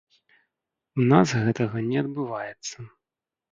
У нас гэтага не адбываецца.